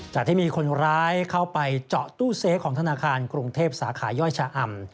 จากที่มีคนร้ายเข้าไปเจาะตู้เซฟของธนาคารกรุงเทพสาขาย่อยชะอำ